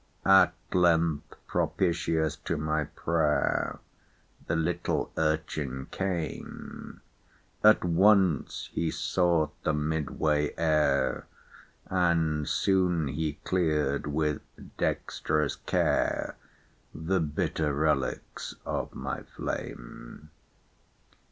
At length, propitious to my pray'r. The little urchin came ; At onee he fought the mid way air. And foon he clcar'd, with dextrous care. The bitter relicks of my flame.